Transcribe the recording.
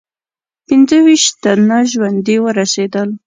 پنځه ویشت تنه ژوندي ورسېدل.